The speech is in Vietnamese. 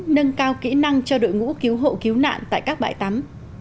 nâng cao kỹ năng cho đội ngũ cứu hộ cứu nạn tại các bãi tắm